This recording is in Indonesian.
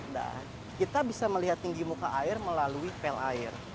nah kita bisa melihat tinggi muka air melalui pel air